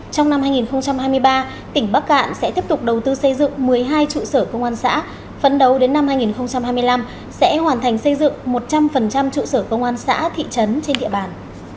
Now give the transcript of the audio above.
trong năm hai nghìn hai mươi ba tỉnh bắc cạn sẽ tiếp tục đầu tư xây dựng một mươi hai trụ sở công an xã phấn đấu đến năm hai nghìn hai mươi năm sẽ hoàn thành xây dựng một trăm linh trụ sở công an xã thị trấn trên địa bàn